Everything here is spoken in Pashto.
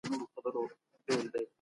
دا پروسه څومره وخت نيسي؟